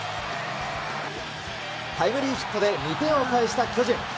タイムリーヒットで２点を返した巨人。